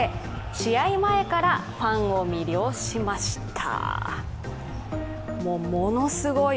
試合前からファンを魅了しました。